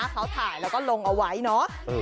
เขาถ่ายแล้วก็ลงเอาไว้เนาะ